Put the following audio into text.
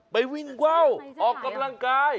ไปวิ่งว่าวออกกำลังกาย